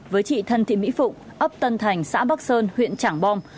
với chị thân thị mỹ phụng ấp tân thành xã bắc sơn huyện trảng bom